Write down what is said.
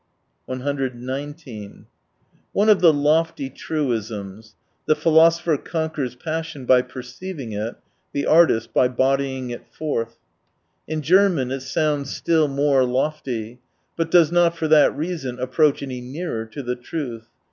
119 One of the lofty truisms — "The philoso pher conquers passion by perceiving it, the artist by bodying it forth." In German it sounds still more lofty : but does not for that reason approach any nearer to the truth.